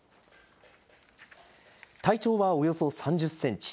体長はおよそ３０センチ。